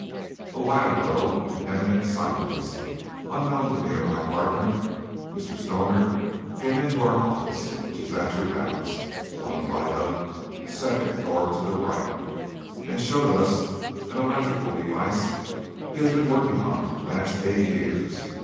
Awhile ago an eminent scientist, unknown to me or to my partner, Mr. Stoner, came into our office, which is at your backs, one flight up, second door to the right, and showed us an electrical device he has been working on for the last eight years.